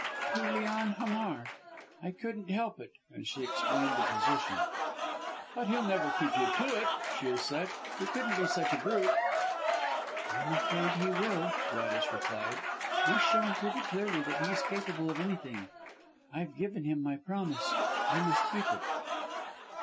"To Leon Hamar! I couldn't help it." And she explained the position. "But he'll never keep you to it," Shiel said. "He couldn't be such a brute." "I'm afraid he will," Gladys replied. "He's shown pretty clearly that he's capable of anything. I've given him my promise I must keep it."